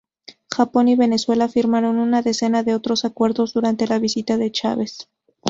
Japón y Venezuela firmaron una docena de otros acuerdos durante la visita de Chávez.